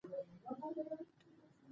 لوستې نجونې د باور خبرې پياوړې کوي.